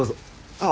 ああ。